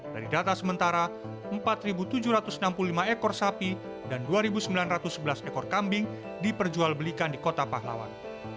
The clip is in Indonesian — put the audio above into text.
dari data sementara empat tujuh ratus enam puluh lima ekor sapi dan dua sembilan ratus sebelas ekor kambing diperjual belikan di kota pahlawan